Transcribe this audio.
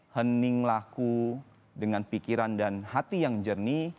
hening laku dengan pikiran dan hati yang jernih